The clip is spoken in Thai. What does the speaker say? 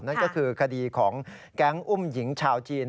นั่นก็คือคดีของแก๊งอุ้มหญิงชาวจีน